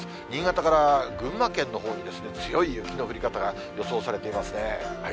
新潟から群馬県のほうに、強い雪の降り方が予想されていますね。